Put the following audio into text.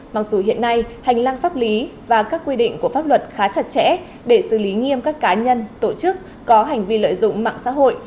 mặc dù hiện nay hành lang pháp lý và các quy định của pháp luật khá chặt chẽ để xử lý nghiêm các cá nhân tổ chức có hành vi lợi dụng mạng xã hội